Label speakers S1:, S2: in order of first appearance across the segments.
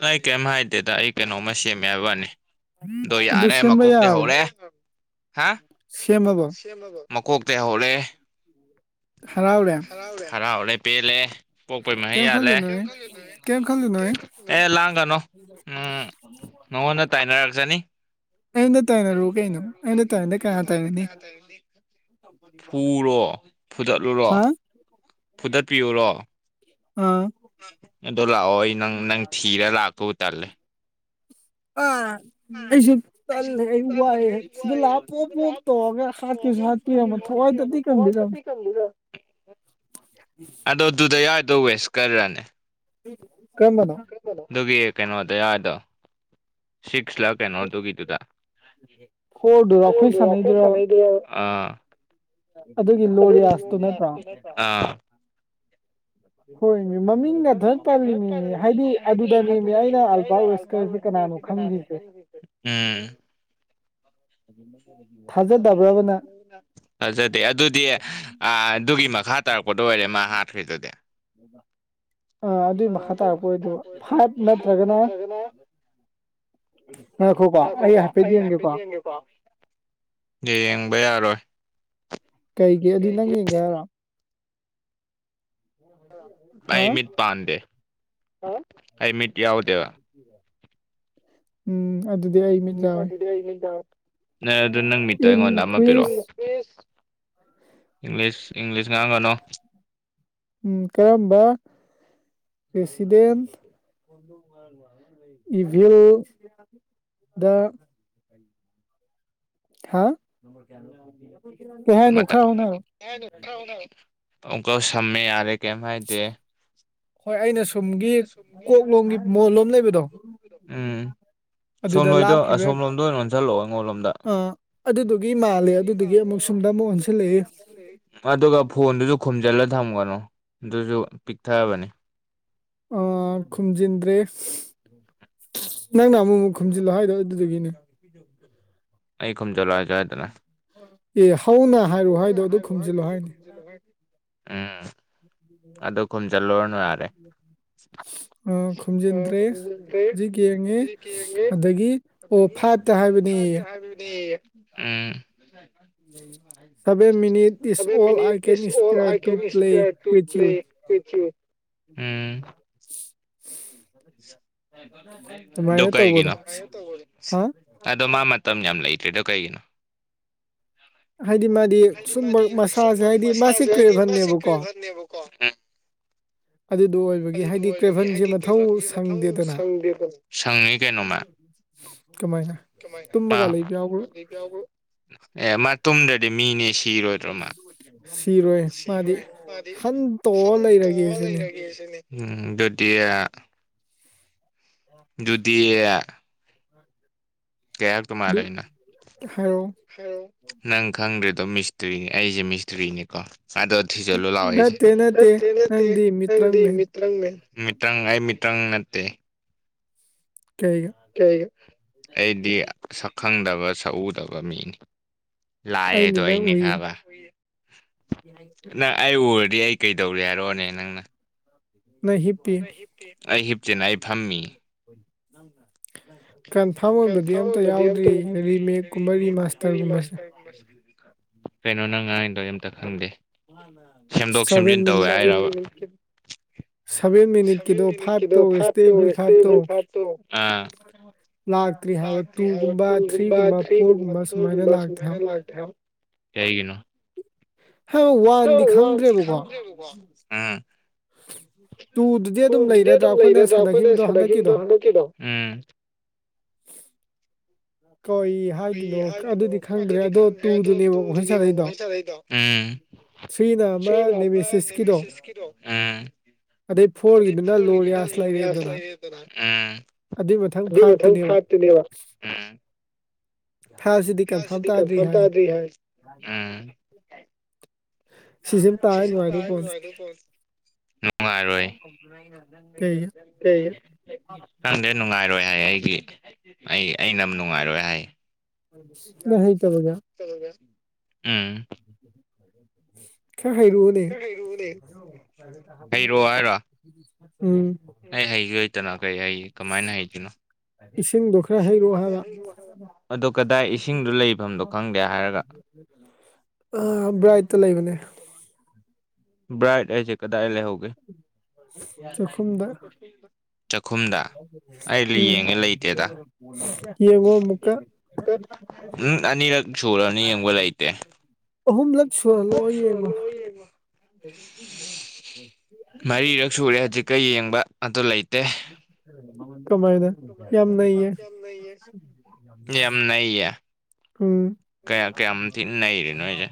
S1: ꯅ ꯀꯩꯝ ꯍꯥꯏꯗꯦꯗ ꯑꯩ ꯀꯩꯅꯣꯝꯃ ꯁꯦꯝꯃꯦ ꯍꯥꯏꯕꯅꯤ ꯑꯗꯣ ꯌꯥꯔꯦ ꯃꯀꯣꯛꯇꯤ ꯍꯧꯔꯦ ꯃ ꯃꯀꯣꯛꯇꯩ ꯍꯧꯔꯦ ꯈꯔ ꯍꯔꯦ ꯄꯦ ꯂꯩꯦ ꯄꯣꯛꯄꯩ ꯃꯍ ꯌꯥꯜꯂꯦ ꯑꯦ ꯂꯥꯡꯒꯅꯨ
S2: [unintelligible]
S1: ꯅꯉꯣꯟꯗ ꯇꯥꯏꯅꯔꯛ ꯆꯅꯤ ꯇ ꯀ ꯇꯗꯤ ꯐꯨꯔꯣ ꯐꯨꯗꯠꯂꯨꯔꯣ ꯐꯨꯗꯠꯄꯤꯌꯨꯔꯣ ꯑꯗꯣ ꯂꯥꯛꯑꯣ ꯑꯩ ꯅꯪ ꯅꯪ ꯊꯤꯔ ꯂꯥꯛꯀꯕꯨ ꯇꯜꯂꯦ
S2: ꯑꯣ ꯑꯩꯁꯨ ꯇꯜꯂꯦ ꯑꯩ ꯋꯥꯏꯑꯦ ꯁꯤꯗ ꯂꯥꯛ ꯄꯣꯞ ꯄꯣꯞ ꯇꯧꯑꯒ ꯍꯥꯠꯀꯦꯁꯨ ꯍꯥꯠꯄꯤꯔꯝꯃ ꯊꯋꯥꯏꯗꯗꯤꯤ ꯀꯝꯗ
S1: ꯑꯗꯣ ꯑꯗꯨꯗ ꯌꯥꯏꯗꯧꯋꯦꯁ ꯀ꯭ꯔꯅꯦ
S2: ꯀꯃꯅꯣ
S1: ꯀꯩꯅꯣꯗ ꯌꯥꯗꯣ ꯁꯤ ꯂ ꯀꯩꯅꯣ ꯑꯗꯨꯒꯤꯗꯨꯗꯈꯣꯏ ꯁꯥꯟꯅꯩ ꯑꯥ
S2: ꯑꯗꯨꯒꯤ ꯂꯣꯔꯤꯌꯥꯁꯇꯨ ꯅꯠꯇ꯭ꯔꯥ ꯍꯣꯏꯅꯦ ꯃꯃꯤꯡꯅ ꯑꯗꯨꯣꯏ ꯄꯜꯂꯤꯃꯤꯃꯤ ꯍꯥꯏꯗꯤ ꯑꯗꯨꯗꯅꯦꯃꯤ ꯑꯩꯅ ꯑꯜꯕꯥꯔꯠ ꯋꯦꯁꯀꯔꯁ
S1: ꯁꯤꯗꯦ ꯅꯥꯟꯦ ꯍꯪꯁꯤꯦ
S2: ꯑꯗꯨ
S1: ꯊꯥꯖꯗꯦ ꯑꯗꯨꯗꯤ ꯑꯗꯨꯒꯤ ꯃꯈꯥ ꯇꯥꯔꯛꯄꯗꯣ ꯑꯣꯏꯔꯦ ꯃꯥ ꯑ ꯑ ꯊꯔꯣꯏꯗꯣꯗ
S2: ꯑꯥ ꯑꯗꯨꯏ ꯃꯈꯥ ꯇꯥꯔꯛꯄ ꯑꯣꯏꯗ ꯐꯥꯏꯚ ꯅꯠꯇ꯭ꯔꯒꯅ ꯉꯈꯣꯀꯣ ꯑꯩ ꯍꯥꯏꯐꯦꯠꯗꯤ ꯌꯦꯡꯒꯦꯀꯣ
S1: ꯌꯦꯡꯕ ꯌꯥꯔꯣꯏ
S2: ꯀꯩꯒꯤ ꯑꯗꯨꯗꯤ ꯅꯪ ꯌꯦꯡꯒꯦ ꯍꯥꯏꯔꯥ
S1: ꯑꯩꯃꯤꯠ ꯄꯥꯟꯗꯦ ꯑꯩꯃꯤꯠ ꯌꯥꯎꯗꯦꯕ
S2: ꯎꯝ ꯑꯗꯨꯗꯤ ꯑꯩ ꯃꯤꯠ ꯌꯥꯎꯋꯦ
S1: ꯅ ꯑꯗꯨ ꯅꯪ ꯃꯤꯠꯇ ꯑꯩꯉꯣꯟꯗ ꯑꯃ ꯄꯤꯔꯛꯑꯣ ꯏꯪꯂꯤꯁ ꯏꯪꯂꯤꯁ ꯉꯥꯡꯒꯅꯨ
S2: ꯎ ꯀꯔꯝꯕ ꯄꯦꯁꯤꯗꯦꯟ ꯏꯚꯤꯜ ꯗ ꯍꯥ
S1: ꯑꯣꯨꯀ ꯁꯝꯃꯦ ꯌꯥꯔꯦ ꯀꯩꯝ ꯍꯥꯏꯗꯦ
S2: ꯍꯣꯏ ꯑꯩꯅ ꯁꯣꯝꯒꯤ ꯀꯣꯛꯂꯣꯝꯒꯤ ꯃꯣꯣꯟꯂꯣꯝ ꯂꯩꯕꯗꯣ ꯑꯗꯨꯗ ꯂꯥꯞꯈꯤꯕ
S1: ꯃꯉꯣ ꯂꯣꯝꯗ ꯑꯗꯨꯒ ꯐꯣꯟꯗꯨꯁꯨ ꯈꯨꯝꯖꯤꯜꯂ ꯊꯝꯒꯅꯨ ꯑꯗꯨꯁꯨ ꯄꯤꯛꯊꯕꯅꯤ
S2: ꯑ ꯈꯨꯨꯝꯖꯗ꯭ꯔꯔꯤ ꯅꯪꯅ ꯑꯃꯨꯛ ꯑꯃꯨꯛ ꯈꯨꯝꯖꯤꯜꯂꯣ ꯍꯥꯏꯗꯣ ꯑꯗꯨꯗꯒꯤꯅꯦ
S1: ꯑꯩ ꯈꯨꯝꯖꯜꯂ ꯍꯥꯏꯖ ꯍꯥꯏꯗꯅ
S2: ꯑꯦ ꯍꯧꯅ ꯍꯥꯏꯔꯣ ꯍꯥꯏꯗꯣ ꯑꯗꯨ ꯈꯨꯝꯖꯤꯜꯂꯣ ꯍꯥꯏꯅꯤ
S1: ꯎꯝ ꯑꯗꯨ ꯈꯨꯝꯖꯤꯜꯂꯅ ꯌꯥꯔꯦ ꯑꯗ ꯍꯥ ꯆ ꯍꯥꯏꯅꯦ ꯚ ꯃꯤꯅꯤ ꯏ all I can inspire to play with U
S2: [unintelligible]
S1: ꯑꯗꯣꯀꯏꯒꯤꯅꯣ ꯑꯗꯣ ꯃꯥ ꯃꯇꯝ ꯌꯥꯝ ꯂꯩꯇ꯭ꯔꯤꯗꯣ ꯀꯩꯒꯤꯅꯣ꯫
S2: [inaudible] ꯍꯥꯏꯗꯤ ꯃꯥꯗꯤ ꯁꯨꯝꯕ ꯃꯁꯥꯁꯦ ꯍꯥꯏꯗꯤ ꯃꯥꯁꯦ ꯀ꯭ꯔꯦꯚꯟꯅꯦꯕꯀꯣ ꯑꯗꯨꯗꯣ ꯑꯣꯏꯕꯒꯤ ꯍꯥꯏꯗꯤ ꯀ꯭ꯔꯦꯚꯟꯁꯦ ꯃꯊꯧ
S1: [unintelligible] ꯁꯪꯉꯅꯤ ꯀꯩꯅꯅꯣꯃ ꯑꯦ ꯃꯥ ꯇꯨꯝꯗꯗꯤ ꯃꯤꯅꯦ ꯁꯤꯔꯣꯏꯗ꯭ꯔꯣ ꯃꯥ ꯁꯤꯔꯣꯏ ꯃꯥꯗꯤ ꯍꯟꯇꯣꯛꯑ ꯂꯩꯔꯒꯦ ꯁꯤꯅꯤ ꯎꯝ ꯗꯗꯤꯌꯥ ꯑꯗꯨꯗꯤ ꯀꯌꯥꯛꯇ ꯃꯥꯔꯅ ꯅꯪ ꯈꯪꯗ꯭ꯔꯤ ꯑꯣ ꯃꯤꯁꯇ꯭ꯔꯤꯅꯤ ꯑꯩꯁꯦ ꯃꯤꯁꯇ꯭ꯔꯤꯅꯤꯀꯣ ꯁꯥꯗ ꯇꯧꯔ ꯊꯤꯖꯤꯟꯂꯨ ꯂꯥꯑꯣꯌꯦ ꯑꯩꯁꯦ ꯅꯠꯇꯌꯦ ꯅꯠꯇꯌꯦ ꯅꯪꯗꯤ [unintelligible] [inaudible] ꯃꯤꯇꯪ ꯑꯩ ꯃꯤꯇꯪ ꯅꯠꯇꯦ ꯑꯩꯗꯤ ꯁꯛꯈꯪꯗꯕ ꯁꯛꯎꯗꯕ ꯃꯤꯅꯤ ꯂꯥꯛꯑꯦꯗꯣ ꯑꯩꯅꯦ ꯈꯕ
S2: [inaudible]
S1: ꯇꯧꯔꯦ ꯍꯥꯏꯔꯣꯅꯦ ꯅꯪꯅ ꯑꯩꯍꯞꯇꯅ ꯑꯩ ꯐꯝꯃꯤ
S2: ꯅꯪ ꯀꯟꯐꯥꯔꯝ ꯑꯣꯏꯕꯗꯤ ꯑꯝꯇ ꯌꯥꯎꯗ꯭ꯔꯤ ꯔꯤꯃꯦꯛꯀꯨꯝꯕ ꯔꯤꯃꯁꯇꯔꯒꯨꯝꯕꯁꯦ
S1: ꯀꯩꯅꯣ ꯅꯪ ꯉꯥꯡꯗꯣ ꯑꯝꯇ ꯈꯪꯗꯦ꯫ ꯁꯦꯝꯗꯣꯛ ꯁꯦꯝꯖꯤꯟ ꯇꯧꯋꯦ ꯍꯥꯏꯔꯕ ꯁꯅꯤ ꯅ ꯀꯗꯣ ꯐꯥ ꯇ ꯔꯁꯇ ꯐ ꯐꯥ ꯇ ꯇꯨꯒꯨꯝꯕ ꯊ꯭ꯔꯤꯒꯨꯝꯕ ꯐꯒꯨꯝꯕ ꯁꯃꯥꯏꯅꯦꯛꯇꯦ ꯀꯦꯒꯅꯣ ꯋꯥ ꯈꯪꯕ ꯋꯥ [inaudible]
S2: [inaudible] ꯇꯨꯗꯨꯗꯤ ꯑꯗꯨꯝ ꯂꯩꯔꯗ꯭ꯔꯥ ꯑꯩꯈꯣꯏꯅ ꯁꯥꯟꯅꯈꯤꯕꯗꯣ ꯍꯟꯗꯛꯀꯤꯗꯣ꯫ ꯀꯩ ꯍꯥꯏꯗꯨꯣꯏꯅꯣ ꯑꯗꯨꯗꯤ ꯈꯪꯗ꯭ꯔꯦ ꯑꯗꯣ ꯇꯨꯗꯨꯅꯦꯕ ꯑꯩꯈꯣꯏ ꯁꯥꯥꯟꯅꯩꯗꯣ
S1: ꯎꯝꯃꯤ ꯀꯔꯣ ꯎꯝ [unintelligible] ꯐꯣꯝ ꯒꯤꯅ ꯂꯣꯔꯤꯔꯥꯠ ꯂꯩꯔꯦꯗꯥꯅ ꯑꯗꯨ ꯃ ꯊꯪ ꯊꯇꯅꯦꯕ
S2: ꯊꯥ ꯁꯤꯗꯤ ꯀꯟꯐꯥꯔꯝ ꯇꯥꯗ꯭ꯔꯤ ꯍꯥꯏ ꯁꯤꯁꯃ ꯇꯥꯏ ꯅꯨꯡꯉꯥꯏꯅ ꯄꯣꯟꯁ
S1: ꯅꯨꯡꯉꯥꯏꯔꯣꯏ ꯈꯪꯗꯦ ꯅꯨꯡꯉꯥꯏꯔꯣꯏ ꯍꯥꯏ ꯑꯩ ꯑꯩ ꯑꯩꯅ ꯅꯨꯡꯉꯥꯏꯔꯣꯏ ꯍꯥꯏ
S2: ꯍ
S1: ꯎꯝ
S2: ꯀꯌꯥ ꯍꯥꯏꯩꯔꯨꯅꯦ ꯎꯝ
S1: ꯀꯩ ꯀꯃꯥꯏꯅ ꯍꯩꯒꯤꯏꯅꯣ ꯑꯗꯣ ꯀꯗꯥꯏ ꯏꯁꯤꯡꯗꯣ ꯂꯩꯐꯝꯗꯣ ꯈꯪꯗꯦ ꯍꯥꯏꯔꯒ
S2: ꯑꯑꯥ ꯕꯔꯥꯠ ꯇꯥ ꯂꯩꯕꯅꯦ
S1: ꯕ꯭ꯔꯥꯏꯠ ꯑꯦꯁꯦ ꯀꯗꯥꯏ ꯂꯩꯍꯧ ꯒꯦ
S2: [inaudible] ꯆꯨꯝꯗ ꯎꯝ
S1: ꯎꯝ ꯑꯅꯤꯔꯛ ꯁꯨꯨꯔꯅꯤ ꯌꯦꯡꯕ ꯂꯩꯇꯦ
S2: ꯑꯍꯨꯝꯂꯛ ꯁꯨꯍꯜꯂꯣ ꯌꯦꯡꯉꯣ
S1: ꯃꯔꯤꯔꯛ ꯁꯨꯔꯦ ꯍꯧꯖꯤꯛꯀ ꯌꯦꯡꯕ ꯑꯗꯨ ꯂꯩꯇꯦ
S2: ꯀꯃꯥꯏꯅ ꯌꯥꯝ ꯅꯌꯦ ꯎꯝ
S1: ꯀꯌꯥ ꯀꯝ ꯊ ꯅꯔꯅ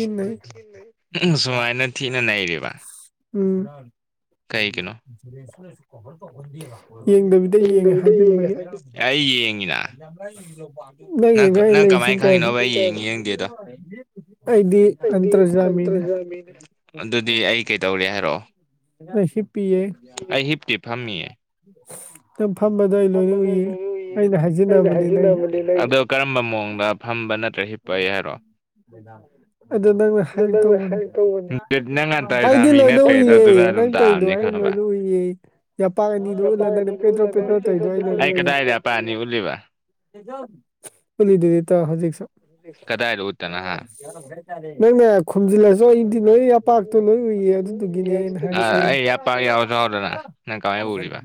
S1: ꯁꯨꯃꯥꯏ ꯊꯅ ꯅꯩꯅꯔꯔꯤꯕ
S2: ꯎꯝ ꯑꯩꯈꯣꯏꯒꯤꯦꯟꯁꯁꯨ ꯀꯚꯔ ꯇꯧꯍꯟꯕꯤꯕ ꯌꯦꯡꯗꯕꯤꯗ ꯌꯦꯡꯉꯦ ꯍꯥꯏꯖꯤꯟꯕꯒꯤ ꯅꯪꯦꯒꯥꯏ ꯂꯩ ꯁꯤ ꯀꯥꯏꯗ
S1: ꯑꯗꯨꯗꯤ ꯑꯩ ꯀꯩꯇꯧꯔꯦ ꯍꯥꯏꯔꯣ
S2: ꯁꯤ
S1: ꯑꯩ ꯍꯤꯞꯇꯤꯞ ꯐꯝꯃꯤꯌꯦ
S2: ꯀ
S1: ꯏ ꯀꯔꯝꯕ ꯃꯑꯣꯡꯗ ꯐꯝꯕ
S2: ꯑꯗꯨꯗꯥ ꯑꯗꯣ ꯅꯪꯅ ꯍꯥꯏꯔ ꯇꯧꯕꯅꯦ ꯑꯩꯗꯤ ꯂꯣꯏꯅ ꯎꯏꯌꯦ ꯅꯪ ꯇꯩꯗꯣ ꯑꯩ ꯂꯣꯏ ꯎꯏꯌꯦ ꯌꯥꯄꯥꯛ ꯑꯅꯤꯗꯨ ꯎꯠꯂꯟꯗꯅꯦ ꯄꯦꯇ꯭ꯔꯣꯜ ꯄꯦꯇ꯭ꯔꯣꯜ ꯇꯧꯗꯣꯏꯗꯣꯏ ꯎꯏꯌꯦ ꯗꯇ ꯍꯧꯖꯤꯛ ꯁ
S1: ꯀꯗꯥ ꯍꯥꯏꯗ ꯎꯠꯇꯅ ꯍꯥ
S2: [unintelligible]
S1: ꯌꯥ ꯄ ꯌꯥꯖꯋꯥꯗꯅ ꯅꯪ ꯀꯃꯥꯏ ꯎꯔꯤꯕ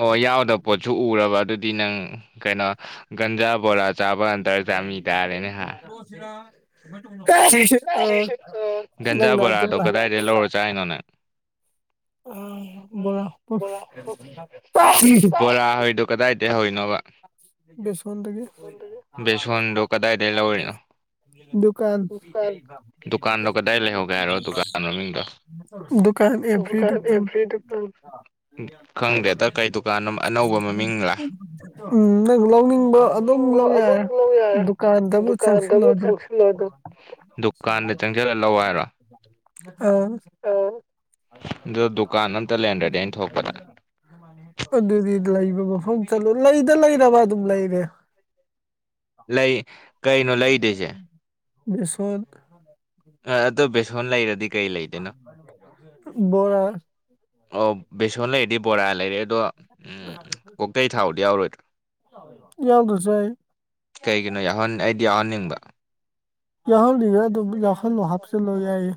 S1: ꯑꯣ ꯌꯥꯎꯗ ꯄꯣꯠꯁꯨ ꯄꯨꯔꯕ ꯑꯗꯨꯗꯤ ꯅꯪ ꯀꯩꯅꯣ ꯒꯟꯖꯥ ꯕꯣꯔꯥ ꯆꯥꯕ ꯑꯟꯇꯔ ꯆꯥꯃꯤ ꯇꯥꯔꯦꯅꯦ ꯍꯥꯏ
S2: ꯑ ꯅꯪꯅ ꯇꯅ [unintelligible] ꯑ ꯣꯔꯄ
S1: ꯅꯋꯥ
S2: ꯁꯟ ꯀꯥꯟ
S1: ꯗꯨꯀꯥꯟꯗꯣ ꯀꯗꯥꯏ ꯂꯩꯍꯧꯒꯦ ꯍꯥꯏꯔꯣ ꯗꯨꯀꯥꯟ ꯃꯃꯤꯡꯗꯣ
S2: ꯗꯨꯀꯥꯟ ꯑꯦꯕꯔꯤ ꯗꯨꯀꯥꯟ [unintelligible] ꯎꯝ ꯅꯪ ꯂꯧꯅꯤꯡꯕ ꯑꯗꯨꯝ ꯂꯧ ꯌꯥꯔꯦ ꯗꯨꯀꯥꯟꯗꯕꯨ ꯆꯪꯁꯤꯜꯂꯣ ꯑꯗꯨꯝ
S1: ꯗꯨꯀꯥꯟꯗ ꯆꯪꯁꯤꯜꯂ ꯂ ꯍꯥꯏꯔꯣ
S2: ꯑ ꯑꯗꯨꯗꯤ ꯂꯩꯕ ꯃꯐꯝ ꯆꯠꯂꯨ ꯂꯩꯗ ꯂꯩꯅꯕ ꯑꯗꯨꯝ ꯂꯩꯔꯦ
S1: ꯂꯩ ꯀꯩꯩꯅꯣ ꯂꯩꯗꯁꯦ
S2: ꯁꯣꯜ
S1: ꯑ ꯑꯗꯨꯣ ꯦꯁꯣꯟ ꯂꯩꯔꯗꯤ
S2: ꯣꯣꯔ
S1: ꯑꯣ ꯦꯁꯣꯟ ꯂꯩ ꯏꯗꯤ ꯣꯔꯥꯜ ꯂꯩꯔꯦ ꯑꯗꯣ ꯎꯝ ꯀꯣꯛꯆꯩ ꯊꯥꯎꯕꯗꯤ ꯌꯥꯎꯔꯣꯏꯗ꯭ꯔꯥ ꯀꯩꯒꯤꯅꯣ ꯌꯥꯎꯍꯟ ꯑꯩꯗꯤ ꯌꯥꯎꯍꯟꯅꯤꯡꯕ
S2: ꯌꯥꯎꯍꯜꯂꯤꯉꯦ ꯑꯗꯨꯝ ꯌꯥꯎꯈꯜꯂꯣ ꯍꯥꯞꯆꯤꯜꯂꯣ ꯌꯥꯏꯌꯦ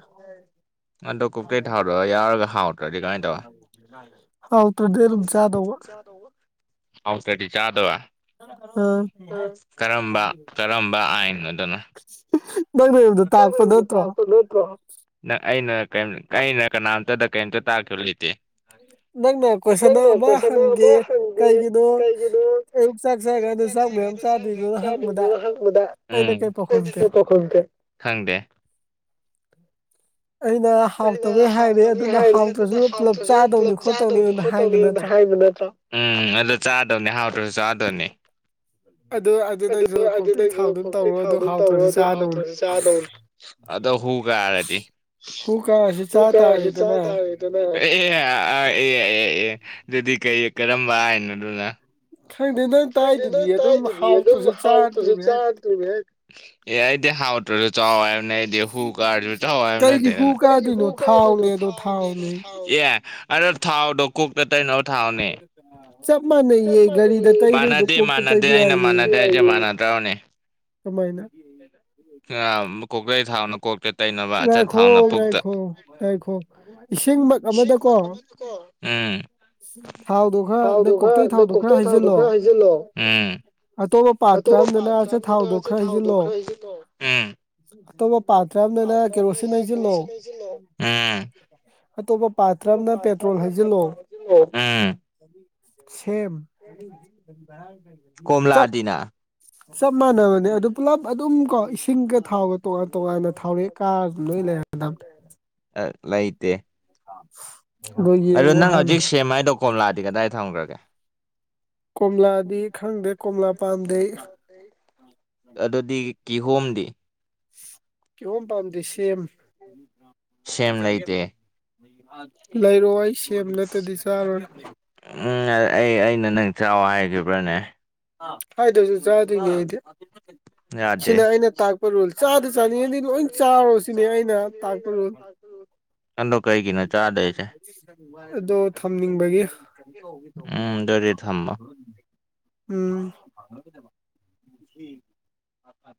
S1: ꯑꯗꯣ ꯀꯣꯛꯀꯩ ꯊꯥꯎꯗ ꯌꯥꯎꯔꯒ ꯍꯥꯎꯗ꯭ꯔꯗꯤ ꯀꯃꯥꯏꯅ ꯇꯧꯋ
S2: ꯍꯥꯎꯇꯔ ꯗꯔ ꯆꯥꯗ
S1: ꯍꯥꯎꯁ ꯆꯥꯗꯕ ꯀꯔꯝꯕ ꯀꯔꯝꯕ ꯑꯥꯏꯟꯣꯗꯅꯣ ꯑꯩꯅ ꯀꯔꯤ ꯑꯩꯅ ꯀꯅꯥꯝꯇꯗ ꯀꯔꯤꯝꯇ ꯇꯥꯛꯈꯤꯕ ꯂꯩꯇꯦ ꯅꯪ ꯀꯣꯁꯗꯣꯕ ꯍꯪꯗꯤ ꯀꯩꯒꯤꯗꯨ ꯀꯈ ꯈꯪꯗꯦ ꯑꯩꯅ ꯍꯥꯎꯇꯕꯅꯤ ꯍꯥꯏꯅꯤ ꯑꯗꯨꯗ ꯍꯥꯎꯗ꯭ꯔꯁꯨ ꯄꯨꯂꯞ ꯆꯥꯗꯧꯅꯤ ꯈꯣꯠꯇꯧꯅꯤ ꯎꯝ ꯑꯗꯨ ꯆꯥꯗꯧꯅꯦ ꯍꯥꯎꯔꯁꯨ ꯆꯥꯗꯧꯅꯦ ꯑꯗꯨ ꯑꯗꯨꯗꯩꯁꯨ ꯈꯣꯇꯩ ꯊꯥꯎꯗꯨꯝ ꯇꯧꯔꯣ ꯑ ꯍꯥꯎꯇ꯭ꯔꯁꯨ ꯆꯥꯗꯧꯅꯦ ꯍꯒꯔꯗꯤ ꯇꯨꯡ ꯀ ꯆ ꯇ ꯍꯥꯏꯅ ꯑꯦ ꯑꯗꯨꯗꯤ ꯀꯩ ꯀꯔꯝꯕ ꯍꯥꯏꯅꯣꯗꯨꯅ ꯐꯪꯗꯤ ꯑꯗꯨꯝ ꯇꯥꯏꯗꯗꯤ ꯑꯗꯨꯝ ꯍꯥꯎꯇꯁꯨ ꯆꯥꯗ꯭ꯔꯅꯦ ꯍꯦꯛꯗꯤ ꯍꯥꯎ ꯆ ꯆꯥꯎꯥꯎ ꯍꯥꯏ ꯅꯗꯤꯣ ꯀꯨꯀꯔꯁꯨ ꯆꯥꯎ ꯍꯥꯏ ꯑꯦ ꯑꯔ ꯊꯥꯎꯗꯣ ꯀꯣꯛꯇ ꯇꯩꯅꯕ ꯊꯥꯎꯅꯦ ꯆꯞ ꯃꯥꯟꯅꯗꯦ ꯃꯥꯟꯅꯗꯦ ꯑꯩꯅ ꯃꯥꯟꯅꯗꯦ ꯍꯥꯏꯁꯦ ꯃꯥꯟꯅꯗ꯭ꯔꯕꯅꯦ
S2: ꯑꯗꯨꯃꯥꯏꯅ
S1: ꯀꯣꯛꯀꯩ ꯊꯥꯎꯅ ꯀꯣꯛꯇ ꯇꯩꯅꯕ ꯑꯆꯠ ꯊꯥꯎꯅ ꯄꯨꯛꯇ ꯏꯁꯤꯡꯕꯀꯣ ꯎ
S2: ꯊꯥꯎꯗꯣ ꯈꯔ ꯀꯣꯛꯆꯩ ꯊꯥꯎꯗꯣ ꯈꯔ ꯍꯥꯏꯖꯤꯜꯂꯣ ꯑꯇꯣꯞꯄ ꯄꯥꯇ꯭ꯔ ꯑꯃꯝꯗꯅ ꯑꯆꯥ ꯊꯥꯎꯗꯣ ꯈꯔ ꯍꯩꯖꯤꯜꯂꯣ ꯑꯇꯣꯞꯄ ꯄꯥꯇ꯭ꯔ ꯑꯃꯗꯅ ꯀꯦꯔꯣꯁꯤꯟ ꯍꯥꯏꯁꯤꯂꯣ ꯑꯇꯣꯞꯄ ꯄꯥꯠꯇ꯭ꯔꯝꯅ ꯄꯦꯇ꯭ꯔꯣꯜ ꯍꯩꯖꯤꯜꯂꯣ ꯁꯦꯝꯦꯝ ꯆꯞ ꯆꯞ ꯃꯥꯟꯅꯕꯅꯦ ꯑꯗꯨ ꯄꯨꯜꯂꯞ ꯑꯗꯨꯝ ꯀꯣ ꯏꯁꯤꯡꯒ ꯊꯥꯎꯒ ꯇꯣꯉꯥꯟ ꯇꯣꯉꯥꯟꯅ ꯊꯥꯎ ꯀꯥ ꯂꯣꯏ ꯂꯩ
S1: ꯑꯗꯣ ꯅꯪ ꯍꯧꯖꯤꯛ ꯁꯦꯝ ꯍꯥꯏꯗꯣ ꯀꯣꯝꯂꯥꯗꯤ ꯀꯗꯥꯏ ꯊꯝꯈ꯭ꯔꯒꯦ
S2: ꯀꯣꯝꯂꯥꯗꯤ ꯈꯪꯗꯦ ꯀꯣꯝꯂꯥ ꯄꯥꯝꯗꯦ
S1: ꯑꯗꯨꯗꯤ ꯀꯤꯍꯣꯝꯗꯤ
S2: ꯀꯣꯝ ꯄꯥꯝꯗꯁꯤꯦꯝ
S1: ꯁꯦꯝ ꯂꯩꯇꯦ
S2: ꯂꯩꯥꯏꯔꯣꯏ
S1: ꯎꯝ ꯑꯩ ꯑꯩꯅ ꯅꯪ ꯆꯥꯎ ꯍꯥꯏꯈꯤꯕ꯭ꯔꯅꯦ
S2: ꯍꯥꯏꯗꯁꯨ ꯆꯥꯗꯣꯏꯔꯤꯉꯩꯗꯤ ꯁꯤꯅ ꯑꯩꯅ ꯇꯥꯛꯄ ꯔꯣꯜ ꯆꯥ ꯆꯥꯅꯤꯡꯉꯗꯤ ꯂꯣꯏ ꯆꯥꯔꯣ ꯁꯤꯅꯦ ꯑꯩꯅ ꯇꯥꯛꯄꯗꯨꯣ ꯑꯗꯣ ꯊꯝꯅꯤꯡꯕꯒꯤ
S1: ꯇꯔꯤ ꯊꯝꯃ
S2: ꯎꯝ
S1: ꯑ